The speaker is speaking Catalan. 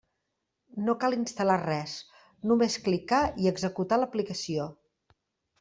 No cal instal·lar res, només clicar i executar l'aplicació.